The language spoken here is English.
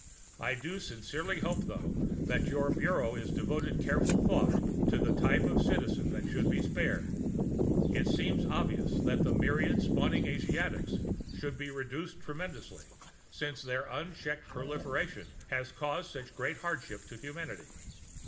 _ _I do sincerely hope, though, that your Bureau is devoting careful thought to the type of citizen that should be spared. It seems obvious that the myriad spawning Asiatics should be reduced tremendously, since their unchecked proliferation has caused such great hardship to humanity.